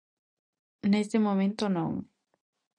Neste momento, non.